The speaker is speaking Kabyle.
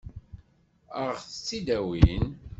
Ad ɣ-tt-id-awin?